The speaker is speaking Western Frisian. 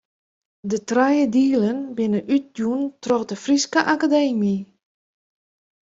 De trije dielen binne útjûn troch de Fryske Akademy.